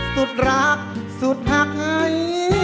สุดรักสุดหักให้